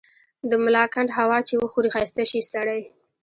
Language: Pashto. د ملاکنډ هوا چي وخوري ښايسته شی سړے